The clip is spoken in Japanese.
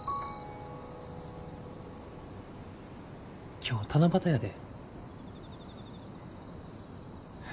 今日、七夕やで。